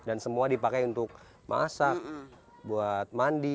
dan semua dipakai untuk masak buat mandi